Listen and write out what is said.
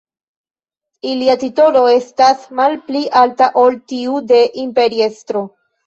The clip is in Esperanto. Ilia titolo estas malpli alta ol tiu de imperiestro.